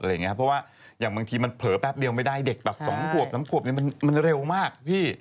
เพราะว่าอย่างบางทีมันเผลอแป๊บเดียวไม่ได้เด็กแบบ๒ขวบ๓ขวบมันเร็วมากพี่